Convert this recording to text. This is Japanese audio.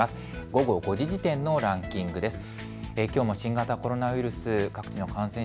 午後５時時点のランキングです。